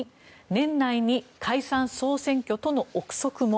年内に解散・総選挙との憶測も。